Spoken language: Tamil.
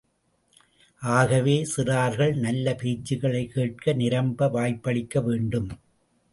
ஆகவே, சிறார்கள் நல்ல பேச்சுகளைக் கேட்க நிரம்ப வாய்ப்பளிக்க வேண்டும்.